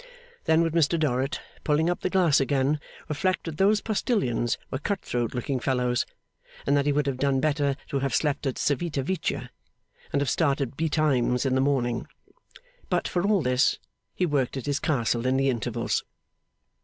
Then would Mr Dorrit, pulling up the glass again, reflect that those postilions were cut throat looking fellows, and that he would have done better to have slept at Civita Vecchia, and have started betimes in the morning. But, for all this, he worked at his castle in the intervals.